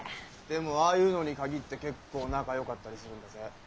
でもああいうのに限って結構仲よかったりするんだぜ。